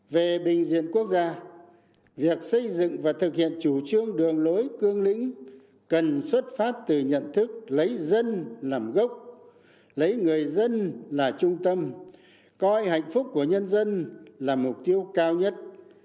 về bình diện quốc gia việc xây dựng và thực hiện chủ trương đường lối cương lĩnh cần xuất phát từ nhận thức lấy dân làm gốc lấy người dân là trung tâm coi hạnh phúc của nhân dân là mục tiêu cao nhất